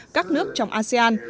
các nước trong asean